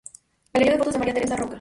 Galería de fotos de María Teresa Roca